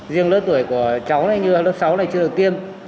riêng lớp tuổi của cháu này như lớp sáu này chưa được tiêm